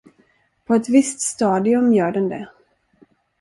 På ett visst stadium gör den det.